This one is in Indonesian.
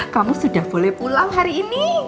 kamu sudah boleh pulang hari ini